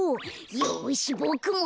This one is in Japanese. よしボクも。